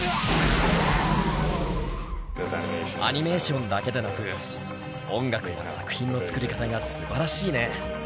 アニメーションだけでなく、音楽や作品の作り方がすばらしいね。